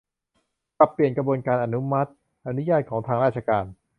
ปรับเปลี่ยนกระบวนการอนุมัติ อนุญาตของทางราชการ